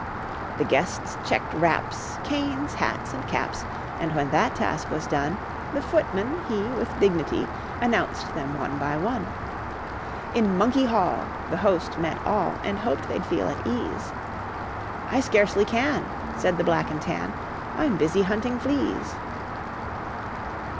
The guests checked wraps, Canes, hats and caps; And when that task was done, The footman he With dignitee, Announced them one by one. In Monkey Hall, The host met all, And hoped they'd feel at ease, "I scarcely can," Said the Black and Tan, "I'm busy hunting fleas."